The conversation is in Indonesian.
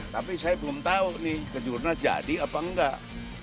tapi saya belum tahu nih kejurnas jadi apa enggak